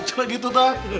coba gitu tah